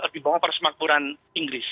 di bawah persemakmuran inggris